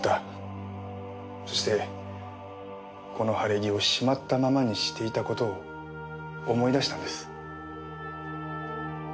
そしてこの晴れ着をしまったままにしていた事を思い出したんです。